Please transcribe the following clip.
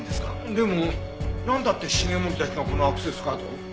でもなんだって繁森たちがこのアクセスカードを？